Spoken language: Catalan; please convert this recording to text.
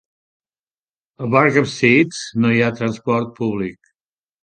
A Barkhamsted no hi ha transport públic.